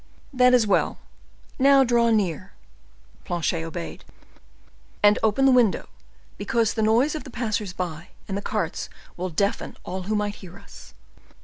"That is well; now draw near." Planchet obeyed. "And open the window, because the noise of the passers by and the carts will deafen all who might hear us."